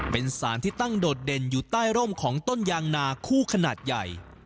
เป็นสารที่ตั้งโดดเด่นอยู่ใต้ร่มของต้นยางนาคู่ขนาดใหญ่